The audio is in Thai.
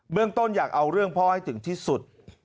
เมืองต้นอยากเอาเรื่องพ่อให้ถึงที่สุด